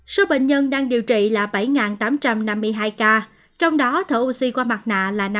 số bệnh nhân đang điều trị là bảy tám trăm năm mươi hai ca trong đó thở oxy qua mặt nạ là một sáu mươi bốn bốn trăm sáu mươi một ca